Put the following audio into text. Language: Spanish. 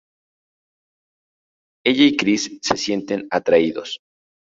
Ella y Chris se sienten atraídos.